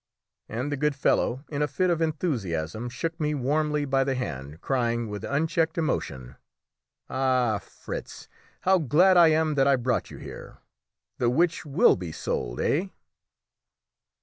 And the good fellow, in a fit of enthusiasm, shook me warmly by the hand, crying with unchecked emotion "Ah, Fritz, how glad I am that I brought you here! The witch will be sold, eh?"